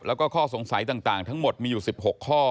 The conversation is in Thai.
แล้วก็ข้อสงสัยต่างทั้งหมดมีอยู่๑๖ข้อ